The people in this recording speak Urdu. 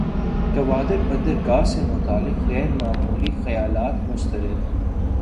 گوادر بندرگاہ سے متعلق غیر معمولی خیالات مسترد